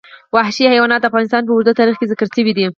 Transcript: وحشي حیوانات د افغانستان په اوږده تاریخ کې ذکر شوی دی.